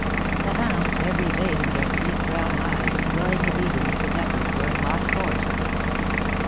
The hounds, every vein in their sleek brown hides swelling with eagerness and effort, were in hot course.